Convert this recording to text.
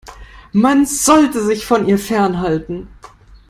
Man sollte sich von ihr fernhalten.